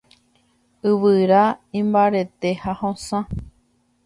Yvyra imbarete ha hosã.